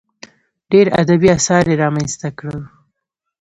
ډېر ادبي اثار یې رامنځته کړل.